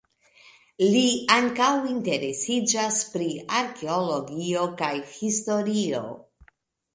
Li ankaŭ interesiĝas pri arkeologio kaj historio.